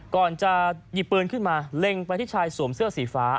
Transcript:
ก่อนจะหยิบปืนขึ้นมาเล็งไปที่ชายสวมเสื้อสีฟ้า